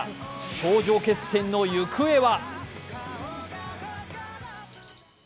頂上決戦の行方は。